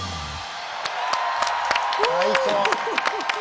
最高。